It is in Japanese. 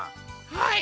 はい。